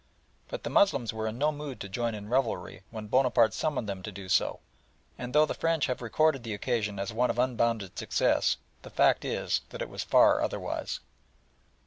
But the Moslems were in no mood to join in revelry when Bonaparte summoned them to do so, and though the French have recorded the occasion as one of unbounded success the fact is that it was far otherwise.